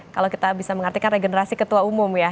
kalau kita bisa mengartikan regenerasi ketua umum ya